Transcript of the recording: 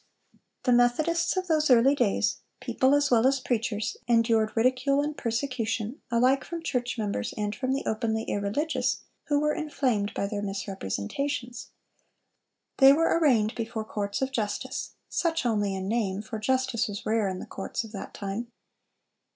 (375) The Methodists of those early days—people as well as preachers—endured ridicule and persecution, alike from church members and from the openly irreligious who were inflamed by their misrepresentations. They were arraigned before courts of justice—such only in name, for justice was rare in the courts of that time.